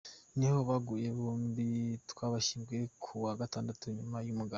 Niho baguye bombi twabashyinguye ku wa gatandatu nyuma y’umuganda.